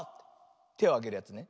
てをあげるやつね。